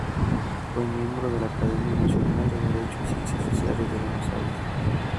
Fue miembro de la Academia Nacional de Derecho y Ciencias Sociales de Buenos Aires.